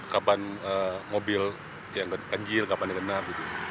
kapan mobil yang ganjil kapan yang genap